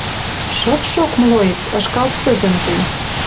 Шыпшок, млоец, ышкал цӹзӹм тӹнь.